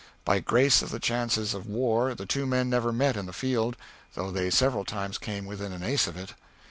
By grace of the chances of war, the two men never met in the field, though they several times came within an ace of it.